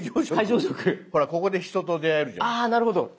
ほらここで人と出会えるじゃないですか。